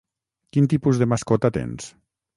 Quin tipus de mascota tens?